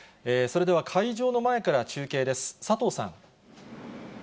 それでは会場の前から中継です。